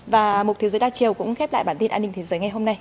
và một thế giới đa chiều cũng khép lại bản tin an ninh thế giới ngày hôm nay